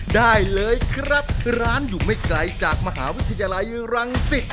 ได้เลยครับร้านอยู่ไม่ไกลจากมหาวิทยาลัยรังสิต